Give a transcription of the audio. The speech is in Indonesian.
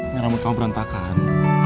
ntar rambut kamu berantakan